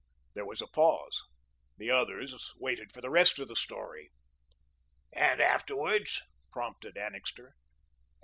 There was a pause. The others waited for the rest of the story. "And afterwards?" prompted Annixter.